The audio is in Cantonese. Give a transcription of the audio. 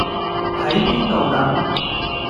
喺邊度等